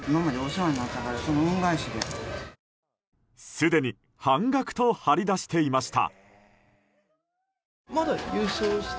すでに半額と貼り出していました。